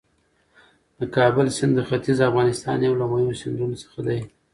د کابل سیند د ختیځ افغانستان یو له مهمو سیندونو څخه دی.